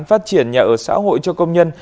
phát triển nhà ở xã hội cho công nhân